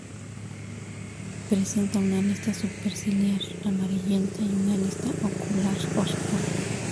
Presenta una lista superciliar amarillenta y una lista ocular oscura.